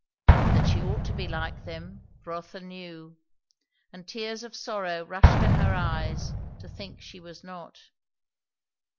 That she ought to be like them, Rotha knew; and tears of sorrow rushed to her eyes to think she was not.